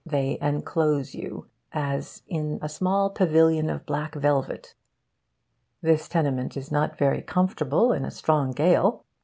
They enclose you as in a small pavilion of black velvet. This tenement is not very comfortable in a strong gale.